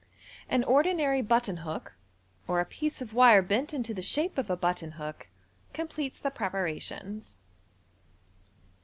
An ordinary button hook, or a piece of wire bent into the shape of a button hook, com pletes the preparations.